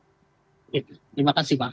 terima kasih pak